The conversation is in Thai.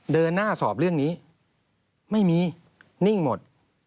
เดินหน้าสอบเรื่องนี้ไม่มีนิ่งหมด